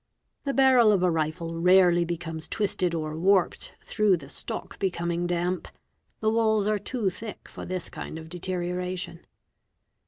The — barrel of a rifle rarely becomes twisted or warped, through the stock becoming damp ; the walls are too thick for this kind of deterioration.